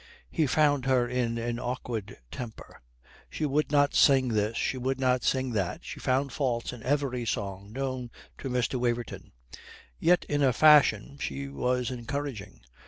He found her in an awkward temper. She would not sing this, she would not sing that, she found faults in every song known to Mr. Waverton. Yet in a fashion she was encouraging.